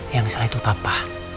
yang salah itu papa